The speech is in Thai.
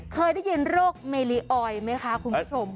เคยได้ยินโรคเมลีออยไหมคะคุณผู้ชม